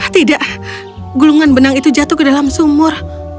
tidak gulungan benang itu jatuh ke dalam sumur